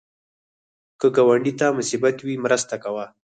که ګاونډي ته مصیبت وي، مرسته کوه